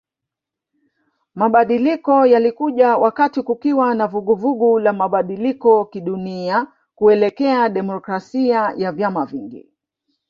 Mabadiliko yalikuja wakati kukiwa na vuguvugu la mabadiliko kidunia kuelekea demokrasia ya vyama vingi